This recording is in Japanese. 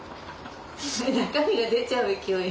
中身が出ちゃう勢い。